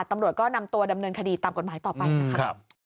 ตำรวจก็นำตัวดำเนินคดีตามกฎหมายต่อไปนะครับ